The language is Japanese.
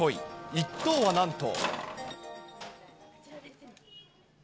１等はなんと。